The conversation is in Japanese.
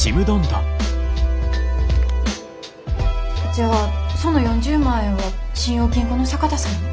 じゃあその４０万円は信用金庫の坂田さんに？